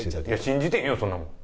信じてへんよそんなもん。